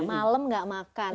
malam gak makan